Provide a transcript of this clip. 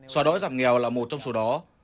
xóa đói giảm nghèo là một trong số đó